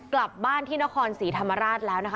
กลับบ้านที่นครศรีธรรมราชแล้วนะคะ